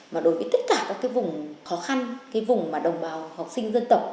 mà đối với tất cả các cái vùng khó khăn cái vùng mà đồng bào học sinh dân tộc